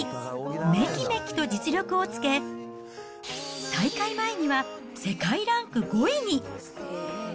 めきめきと実力をつけ、大会前には世界ランク５位に。